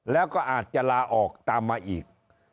แล้วก็อาจจะลาออกตามมาอีก